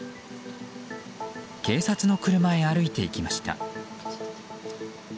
警察の車へ歩いていきました。